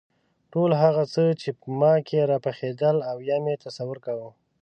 ټول هغه څه چې په ما کې راپخېدل او یا مې تصور کاوه.